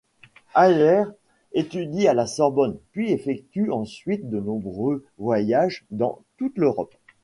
Hillers étudie à la Sorbonne, puis effectue ensuite de nombreux voyages dans toute l'Europe.